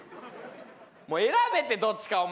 もう選べってどっちかお前。